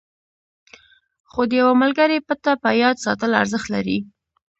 خو د یوه ملګري پته په یاد ساتل ارزښت لري.